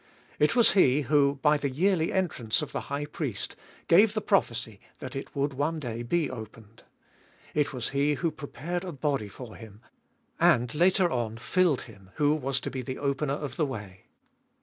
It was He who, by the yearly entrance of the high priest, gave the prophecy that it would one day be opened. It was He who prepared a body for Him, and later on rilled Him who was to be the opener of the way.